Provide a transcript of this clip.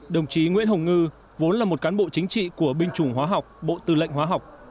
đồng chí nguyễn hồng ngư vốn là một cán bộ chính trị của binh chủng hóa học bộ tư lệnh hóa học